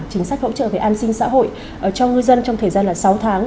chính sách hỗ trợ về an sinh xã hội cho người dân trong thời gian là sáu tháng